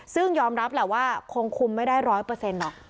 ซึ่งยอมรับแหละว่าคงคุมไม่ได้๑๐๐หรอก